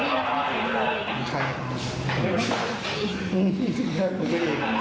ก็คิดว่าเกิดอะไรขึ้น